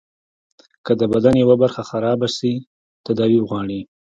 که د بدن يوه برخه خرابه سي تداوي غواړي.